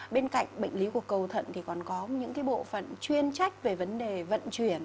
bên cạnh bệnh lý của cầu thận thì còn có những bộ phận chuyên trách về vấn đề vận chuyển